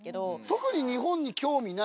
特に。